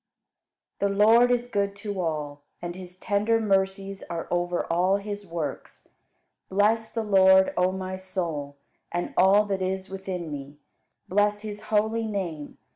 61. The Lord is good to all, and His tender mercies are over all His works. Bless the Lord, O my soul, and all that is within me, bless His holy name.